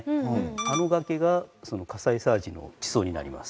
あの崖が火砕サージの地層になります。